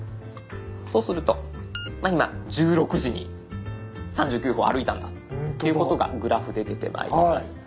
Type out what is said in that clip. そうすると今１６時に３９歩歩いたんだっていうことがグラフで出てまいります。